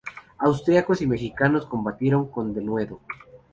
Austriacos y mexicanos combatieron con denuedo.